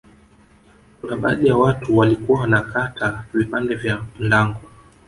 Kuna baadhi ya watu walikuwa wanakata vipande vya mlango